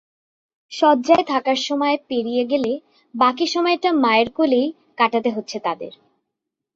শয্যায় থাকার সময় পেরিয়ে গেলে বাকি সময়টা মায়ের কোলেই কাটাতে হচ্ছে তাদের।